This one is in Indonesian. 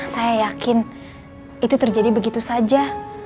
saya yakin itu terjadi begitu saja